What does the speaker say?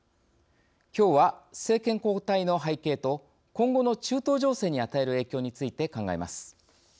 きょうは政権交代の背景と今後の中東情勢に与える影響について考えます。